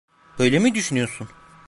Böyle mi düşünüyorsun?